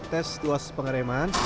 tes luas pengereman